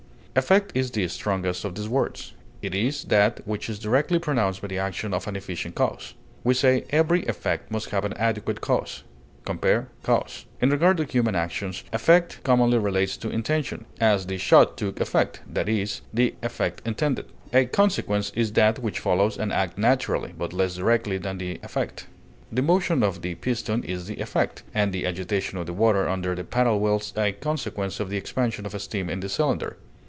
Effect is the strongest of these words; it is that which is directly produced by the action of an efficient cause; we say, "Every effect must have an adequate cause" (compare CAUSE). In regard to human actions, effect commonly relates to intention; as, the shot took effect, i. e., the effect intended. A consequence is that which follows an act naturally, but less directly than the effect. The motion of the piston is the effect, and the agitation of the water under the paddle wheels a consequence of the expansion of steam in the cylinder.